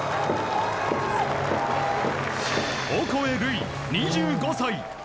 オコエ瑠偉、２５歳。